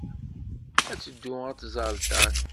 Ad teddu ad tẓer Dan.